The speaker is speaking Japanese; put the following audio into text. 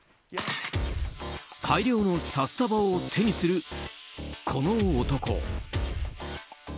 大量の札束を手にするこの男。